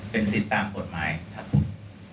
เป็นสิทธิ์ตามกฎหมายครับผม